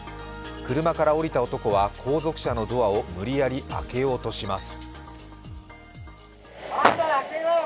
車から降りた男は後続車のドアを無理やり開けようとします。